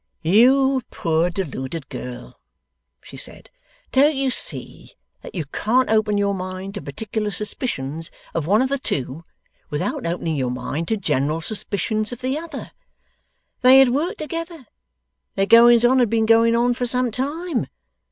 'You poor deluded girl,' she said, 'don't you see that you can't open your mind to particular suspicions of one of the two, without opening your mind to general suspicions of the other? They had worked together. Their goings on had been going on for some time.